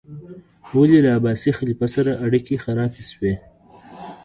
ولې له عباسي خلیفه سره اړیکې خرابې شوې؟